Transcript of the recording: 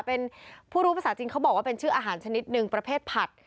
เป็นผู้รู้ภาษาจีนเขาบอกว่าเป็นชื่ออาหารชนิดหนึ่งประเภทผัด